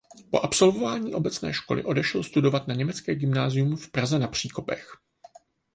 Po absolvování obecné školy odešel studovat na německé gymnázium v Praze Na Příkopech.